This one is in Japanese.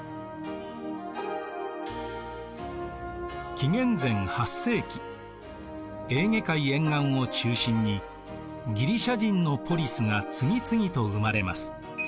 紀元前８世紀エーゲ海沿岸を中心にギリシア人のポリスが次々と生まれます。